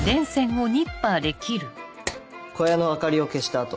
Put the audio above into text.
小屋の明かりを消した後。